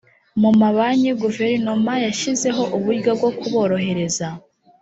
mu mabanki guverinoma yashyizeho uburyo bwo kuborohereza